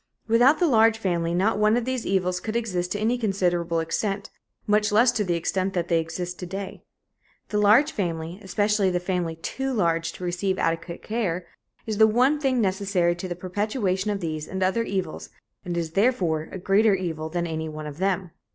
Without the large family, not one of these evils could exist to any considerable extent, much less to the extent that they exist to day. The large family especially the family too large to receive adequate care is the one thing necessary to the perpetuation of these and other evils and is therefore a greater evil than any one of them.